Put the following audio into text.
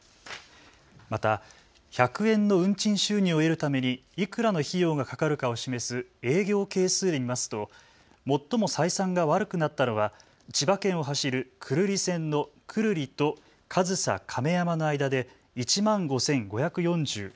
また１００円の運賃収入を得るために、いくらの費用がかかるかを示す営業係数を見ますと最も採算が悪くなったのは千葉県を走る久留里線の久留里駅と上総亀山駅の間で１万５５４６円。